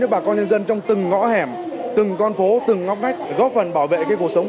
với bà con nhân dân trong từng ngõ hẻm từng con phố từng ngóc ngách để góp phần bảo vệ cái cuộc